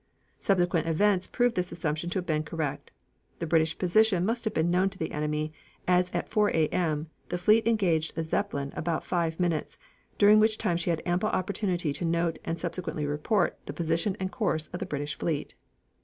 Subsequent events proved this assumption to have been correct. The British position must have been known to the enemy, as at 4 A.M. the fleet engaged a Zeppelin about five minutes, during which time she had ample opportunity to note and subsequently report the position and course of the British fleet.